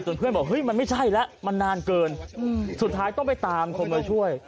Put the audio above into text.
เพื่อนบอกเฮ้ยมันไม่ใช่แล้วมันนานเกินสุดท้ายต้องไปตามคนมาช่วย